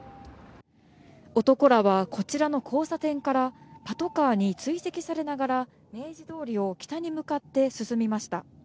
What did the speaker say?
男らは、こちらの交差点からパトカーに追跡されながら明治通りを北に向かって進みました。